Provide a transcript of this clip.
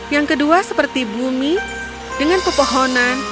yang kedua seperti bumi dengan pepohonan